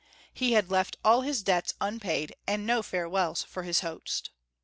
He had left all his debts unpaid, and no farewells for his host.